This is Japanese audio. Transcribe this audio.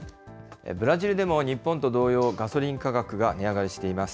ブラジルでも日本と同様、ガソリン価格が値上がりしています。